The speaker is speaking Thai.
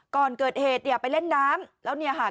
ก่อนเกิดเหตุอย่าไปเล่นน้ำ